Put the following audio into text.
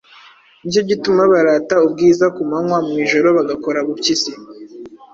Ni cyo gituma barata ubwiza ku manywa, mu ijoro bagakora bupyisi,